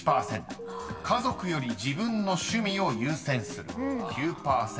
［家族より自分の趣味を優先する９％］